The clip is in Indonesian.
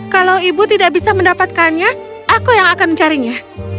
kalau ibu tidak bisa mendapatkannya aku yang akan mencarinya